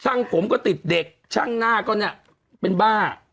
ผมก็ติดเด็กช่างหน้าก็เนี่ยเป็นบ้า